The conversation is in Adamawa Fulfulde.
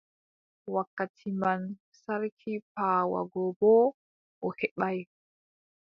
Wakkati man, sarki paawa go boo o heɓaay.